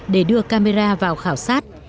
để đưa camera vào khảo sát